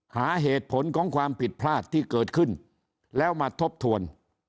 หาเหตุผลของความผิดพลาดที่เกิดขึ้นแล้วมาทบทวน